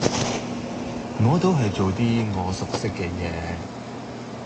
我都係做啲我熟悉嘅嘢